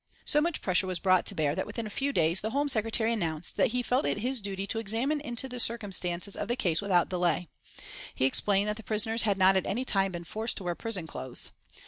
So much pressure was brought to bear that within a few days the Home Secretary announced that he felt it his duty to examine into the circumstances of the case without delay. He explained that the prisoners had not at any time been forced to wear prison clothes.